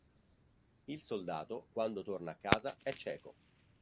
Il soldato, quando torna a casa, è cieco.